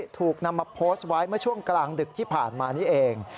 ถูกนำมาโพสต์ไว้เมื่อช่วงกลางดึกที่ผ่านมานี้เอง